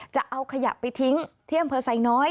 จะเอาขยะไปทิ้งที่อำเภอไซน้อย